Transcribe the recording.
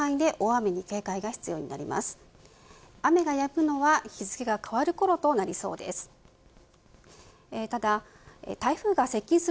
雨が止むのは日付が変わるころとなりそうです。